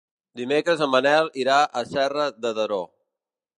Dimecres en Manel irà a Serra de Daró.